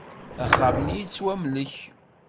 Axxam-nni yettwamlek.